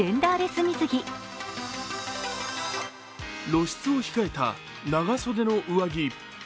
露出を控えた長袖の上着。